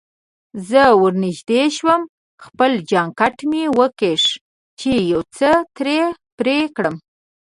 زه ورنژدې شوم، خپل جانکټ مې وکیښ چې یو څه ترې پرې کړم.